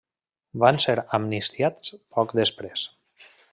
Van ser amnistiats poc després.